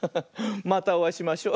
またおあいしましょ。